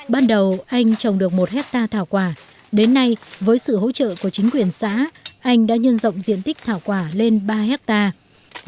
ban đầu anh trồng được một hectare thảo quả đến nay với sự hỗ trợ của chính quyền xã anh đã nhân rộng diện tích thảo quả lên ba hectare